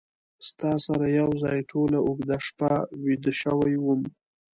ستا سره یو ځای ټوله اوږده شپه ویده شوی وم